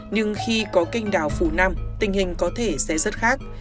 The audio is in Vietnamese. nhưng khi có canh đào phunam tình hình có thể sẽ rất khác